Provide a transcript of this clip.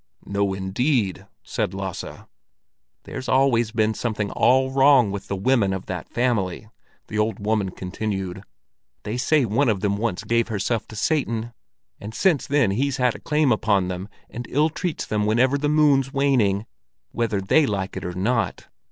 "No, indeed!" said Lasse. "There's always been something all wrong with the women of that family," the old woman continued. "They say one of them once gave herself to Satan, and since then he's had a claim upon them and ill treats them whenever the moon's waning, whether they like it or not.